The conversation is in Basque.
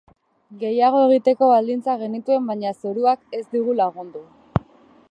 Gehiago egiteko baldintzak genituen baina zoruak ez digu lagundu.